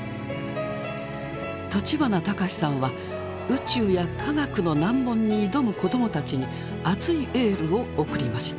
立花隆さんは宇宙や科学の難問に挑む子どもたちに熱いエールを送りました。